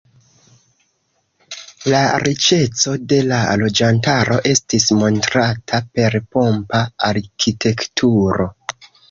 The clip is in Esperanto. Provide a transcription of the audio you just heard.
La riĉeco de la loĝantaro estis montrata per pompa arkitekturo.